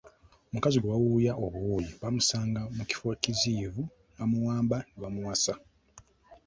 Omukazi gwe bawuya obuwuyi bamusanga mu kifo ekiziyivu ne bamuwamba ne bamuwasa.